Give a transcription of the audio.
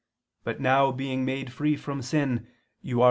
. but now being made free from sin," you are